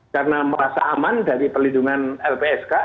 karena merasa aman dari pelindungan lpsk